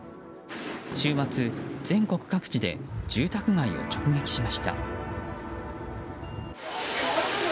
週末、全国各地で住宅街を直撃しました。